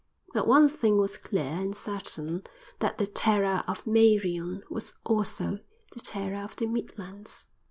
But one thing was clear and certain: that the terror of Meirion was also the terror of the Midlands.